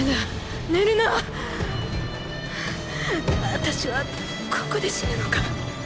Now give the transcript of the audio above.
あたしはここで死ぬのか？